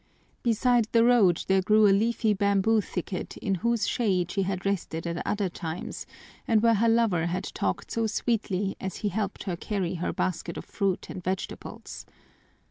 Beside the road there grew a leafy bamboo thicket in whose shade she had rested at other times, and where her lover had talked so sweetly as he helped her carry her basket of fruit and vegetables.